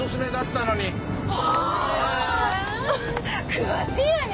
詳しいわね！